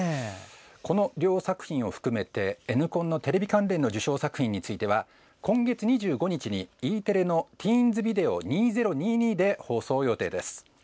この両作品を含めてＮコンのテレビ関連の受賞作品については今月２５日にＥテレの「ティーンズビデオ２０２２」で放送予定です。